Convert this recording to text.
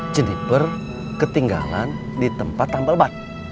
jeniper ketinggalan di tempat nambel ban